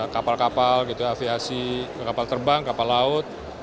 kapal kapal aviasi kapal terbang kapal laut